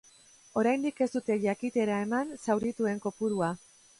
Oraindik ez dute jakitera eman zaurituen kopurua.